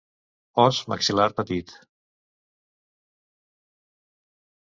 Os maxil·lar petit.